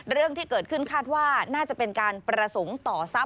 เรื่องที่เกิดขึ้นคาดว่าน่าจะเป็นการประสงค์ต่อทรัพย